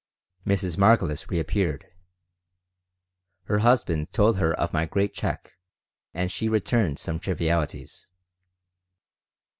Mrs. Margolis reappeared. Her husband told her of my great check and she returned some trivialities.